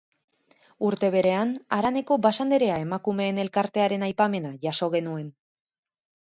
Urte berean, haraneko Basanderea emakumeen elkartearen aipamena jaso genuen.